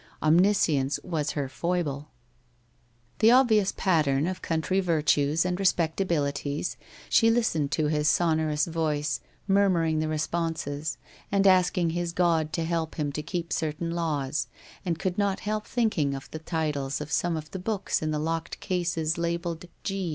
Omniscience was her foible. 54 WHITE ROSE OF WEARY LEAF The obvious pattern of country virtues and respecta bilities, she listened to his sonorous voice murmuring the responses, and asking his God to help him to keep certain laws, and could not help thinking of the titles of some of the books in the locked cases labelled G.